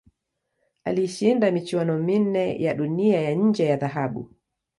Alishinda michuano minne ya Dunia ya nje ya dhahabu.